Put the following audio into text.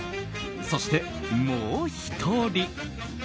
そして、もう１人。